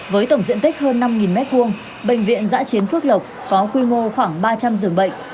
với tổng diện tích hơn năm m hai bệnh viện giã chiến phước lộc có quy mô khoảng ba trăm linh giường bệnh